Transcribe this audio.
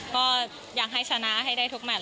ก็อยากให้ชนะให้ได้ทุกแมท